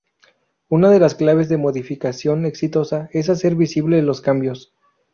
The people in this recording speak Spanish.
Una de las claves de una modificación exitosa es hacer visibles los cambios.